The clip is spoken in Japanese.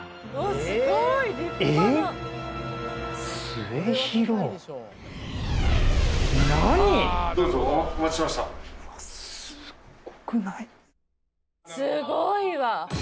すごいわ。